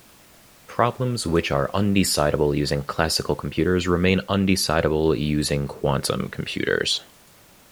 Problems which are undecidable using classical computers remain undecidable using quantum computers.